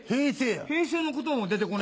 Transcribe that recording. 平成の言葉も出てこない？